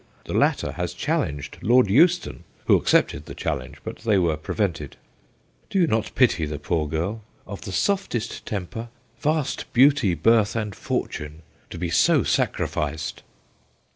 The latter has challenged Lord Euston, who accepted the challenge, but they were prevented. ... Do you not pity MOTHER AND DAUGHTER 115 the poor girl? of the softest temper, vast beauty, birth, and fortune ! to be so sacrificed